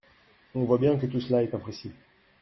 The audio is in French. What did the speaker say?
On voit bien que tout cela est imprécis.